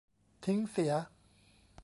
ทิ้งเสีย